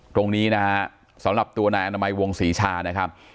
ตรงนี้นะฮะสำหรับตัวนายอนามัยวงศรีชานะครับ